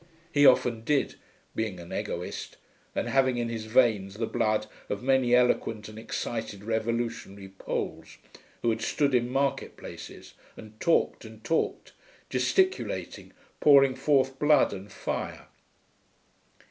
He often did, being an egoist, and having in his veins the blood of many eloquent and excited revolutionary Poles, who had stood in market places and talked and talked, gesticulating, pouring forth blood and fire.